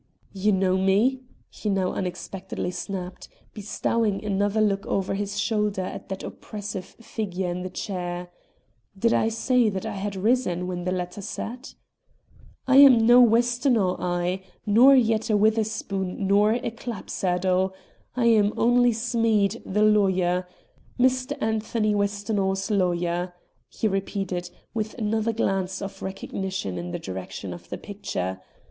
"You know me?" he now unexpectedly snapped, bestowing another look over his shoulder at that oppressive figure in the chair. (Did I say that I had risen when the latter sat?) "I'm no Westonhaugh, I; nor yet a Witherspoon nor a Clapsaddle. I'm only Smead, the lawyer. Mr. Anthony Westonhaugh's lawyer," he repeated, with another glance of recognition in the direction of the picture.